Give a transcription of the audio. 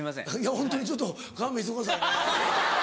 ホントにちょっと勘弁してくださいね。